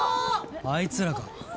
あいつらか。